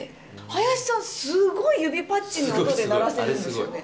林さん、すごい指パッチンの音で鳴らせるんですよね。